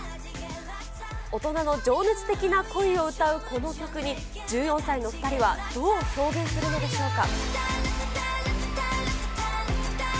大人の情熱的な恋を歌うこの曲に、１４歳の２人はどう表現するのでしょうか。